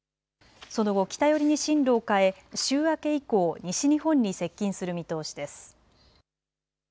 その後、北寄りに進路を変え週明け以降、西日本に接近する見通しです。